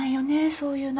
そういうの。